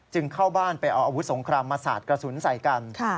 เข้าบ้านไปเอาอาวุธสงครามมาสาดกระสุนใส่กัน